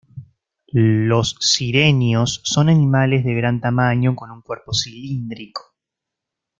Los sirenios son animales de gran tamaño con un cuerpo cilíndrico.